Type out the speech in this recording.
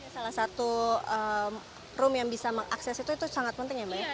salah satu room yang bisa mengakses itu itu sangat penting ya mbak ya